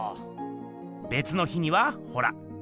べつの日にはほら。